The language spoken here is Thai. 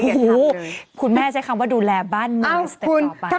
โอ้โฮคุณแม่ใช้คำว่าดูแลบ้านเมืองในสเต็ปต่อไป